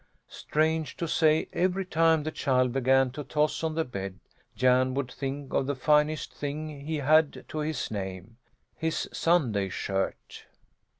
Strange to say, every time the child began to toss on the bed Jan would think of the finest thing he had to his name his Sunday shirt.